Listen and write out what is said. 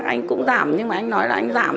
anh cũng giảm nhưng mà anh nói là anh giảm